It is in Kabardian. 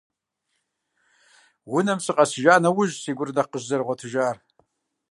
Унэм сыкъэсыжа нэужьщ си гур нэхъ къыщызэрыгъуэтыжар.